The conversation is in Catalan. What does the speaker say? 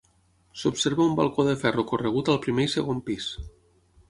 S'observa un balcó de ferro corregut al primer i segon pis.